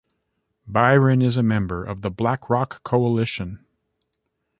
Byron is a member of the Black Rock Coalition.